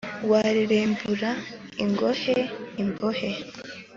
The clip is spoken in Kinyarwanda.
Warerembura ingohe imbohe